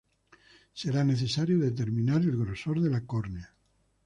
Será necesario determinar el grosor de la córnea.